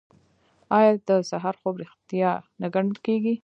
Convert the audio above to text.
آیا د سهار خوب ریښتیا نه ګڼل کیږي؟